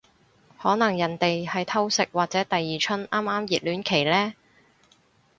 可能人哋係偷食或者第二春啱啱熱戀期呢